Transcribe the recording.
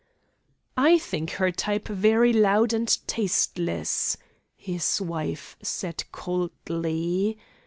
'I think her type very loud and tasteless,' his wife said coldly.